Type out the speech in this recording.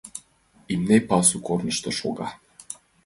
Имне пасу корнышто шога.